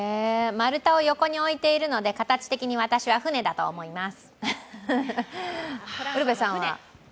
丸太を横に置いているので、私は魚だと思います。